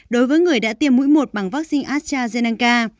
đối với người đã tiêm mũi một bằng vaccine astrazeneca